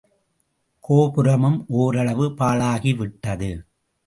கோபுரமும் ஓரளவு பாழாகி விட்டது.